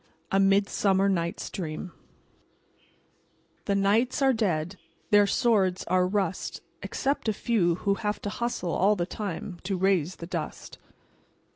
A MIDSUMMER KNIGHT'S DREAM "_The knights are dead; Their swords are rust. Except a few who have to hust Le all the time To raise the dust.